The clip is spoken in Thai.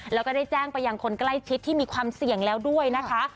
แล้วก็ได้แจ้งไปยังคนใกล้ชิดที่มีความเสี่ยงแล้วด้วยนะคะ